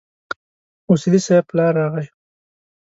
اصولي صیب پلار راغی.